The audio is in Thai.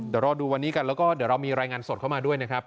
เดี๋ยวรอดูวันนี้กันแล้วก็เดี๋ยวเรามีรายงานสดเข้ามาด้วยนะครับ